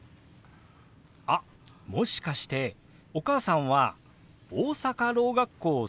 あっもしかしてお母さんは大阪ろう学校卒業ですか？